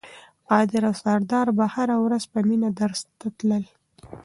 قادر او سردار به هره ورځ په مینه درس ته تلل.